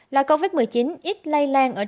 là covid một mươi chín ít lây lan ở